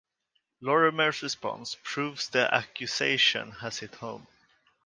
Lorrimer's response proves the accusation has hit home.